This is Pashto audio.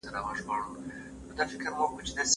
پوهان د بدلون پلویان دي.